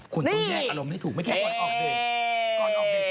คุณต้องแยกอารมณ์ได้ถูกเห้ย